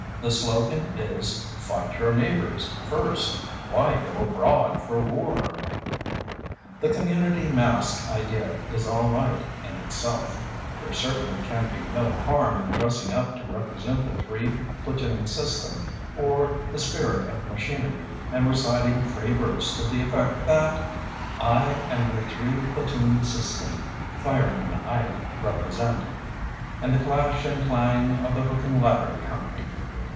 The slogan is "Fight Your Neighbors First. Why Go Abroad for War?" The community masque idea is all right in itself. There certainly can be no harm in dressing up to represent the Three Platoon System, or the Spirit of Machinery, and reciting free verse to the effect that: "I am the Three Platoon System. Firemen I represent, And the clash and clang of the Hook and Ladder Company."